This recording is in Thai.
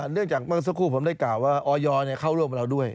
เนื่องจากเมื่อสักครู่ผมได้กล่าวว่าออยเข้าร่วมกับเราด้วย